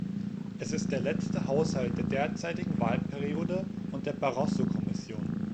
Es ist der letzte Haushalt der derzeitigen Wahlperiode und der Barroso-Kommission.